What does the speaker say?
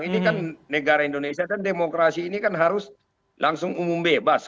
ini kan negara indonesia kan demokrasi ini kan harus langsung umum bebas